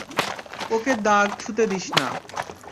ওকে দাগ ছুঁতে দিস না।